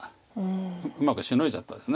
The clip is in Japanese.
うまくシノいじゃったです。